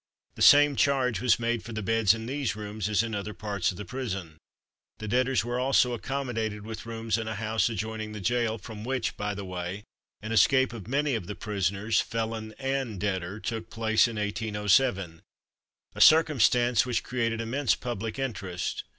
The same charge was made for the beds in these rooms as in other parts of the prison. The debtors were also accommodated with rooms in a house adjoining the gaol, from which, by the way, an escape of many of the prisoners, felon and debtor, took place in 1807 a circumstance which created immense public interest.